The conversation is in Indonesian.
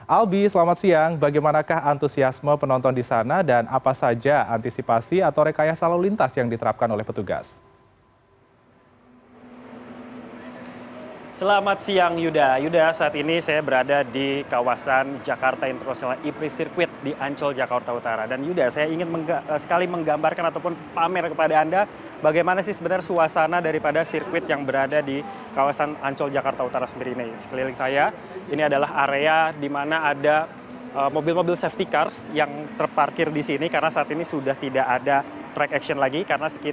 albi selamat siang bagaimanakah antusiasme penonton di sana dan apa saja antisipasi atau rekaya selalu lintas yang diterapkan oleh petugas